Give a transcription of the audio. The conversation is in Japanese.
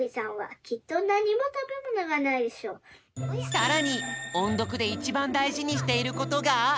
さらにおんどくでいちばんだいじにしていることが。